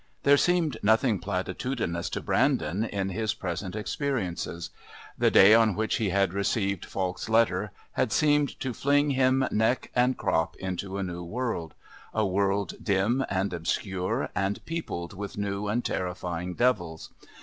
There seemed nothing platitudinous to Brandon in his present experiences. The day on which he had received Falk's letter had seemed to fling him neck and crop into a new world a world dim and obscure and peopled with new and terrifying devils.